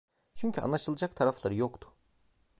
Çünkü anlaşılacak tarafları yoktu.